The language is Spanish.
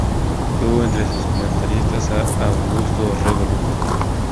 Tuvo entre sus comentaristas a Augusto Orrego Luco.